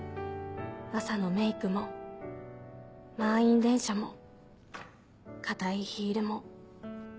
朝のメイクも満員電車も硬いヒールも